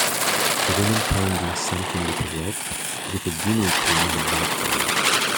A woman pounding something with a rock, with a guinea pig in the background.